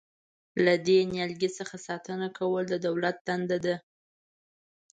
له دې نیالګي څخه ساتنه کول د دولت دنده ده.